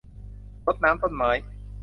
รดน้ำต้นไม้